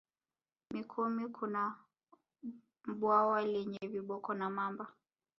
Mikumi kuna bwawa lenye viboko na mamba